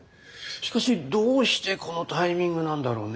しかしどうしてこのタイミングなんだろうね。